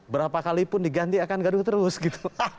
berapa kalipun diganti akan gaduh terus gitu